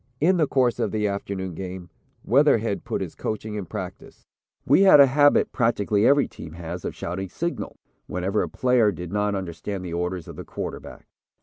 In the course of the afternoon game, Weatherhead put his coaching in practice. "We had a habit practically every team has of shouting 'Signal' whenever a player did not understand the orders of the quarterback.